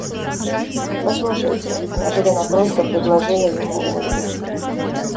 – Послушайте, – неожиданно просто предложила ему Ольга.